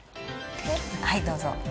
はいどうぞ。